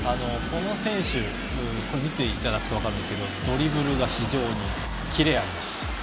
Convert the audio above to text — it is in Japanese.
この選手は見ていただくと分かりますがドリブルが非常にキレがあります。